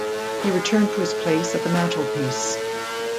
He returned to his place at the mantelpiece.